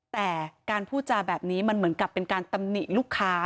แต่การพูดจาแบบนี้มันเหมือนกับเป็นการตำหนิลูกค้า